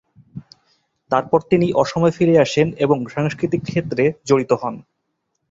তারপর তিনি অসমে ফিরে আসেন ও সাংস্কৃতিক ক্ষেত্রে জড়িত হন।